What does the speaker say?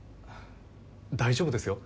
大丈夫ですよ。